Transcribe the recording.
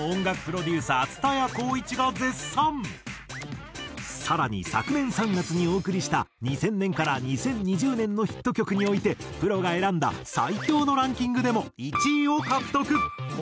Ａメロからいきなり。とあのさらに昨年３月にお送りした２０００年から２０２０年のヒット曲においてプロが選んだ最強のランキングでも１位を獲得。